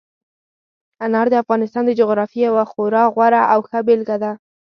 انار د افغانستان د جغرافیې یوه خورا غوره او ښه بېلګه ده.